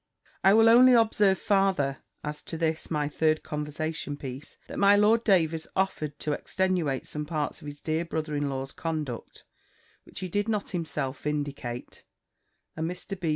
I will only observe farther, as to this my third conversation piece, that my Lord Davers offered to extenuate some parts of his dear brother in law's conduct, which he did not himself vindicate; and Mr. B.